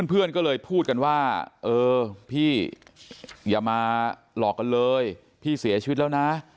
เพื่อนก็เลยพูดกันว่าเออพี่อย่ามาหลอกกันเลยพี่เสียชีวิตแล้วนะ